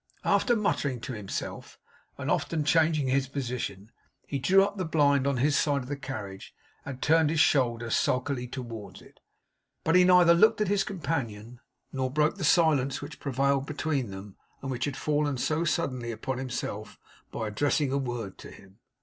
After muttering to himself, and often changing his position, he drew up the blind on his side of the carriage, and turned his shoulder sulkily towards it. But he neither looked at his companion, nor broke the silence which prevailed between them, and which had fallen so suddenly upon himself, by addressing a word to him.